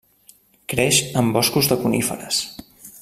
Creix en boscos de coníferes.